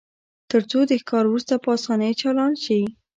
ترڅو د ښکار وروسته په اسانۍ چالان شي